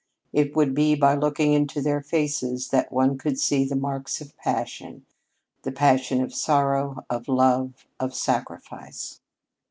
It would be by looking into their faces that one could see the marks of passion the passion of sorrow, of love, of sacrifice.